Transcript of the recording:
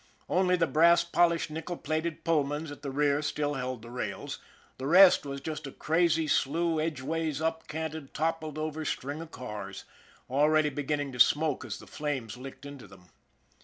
Only the brass polished, nickel plated Pullmans at the rear still held the rails ; the rest was just a crazy, slewed edge ways, up canted, toppled over string of cars, already beginning to smoke as the flames licked into them.